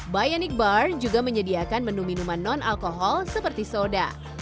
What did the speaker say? bionic bar juga menyediakan menu minuman non alkohol seperti soda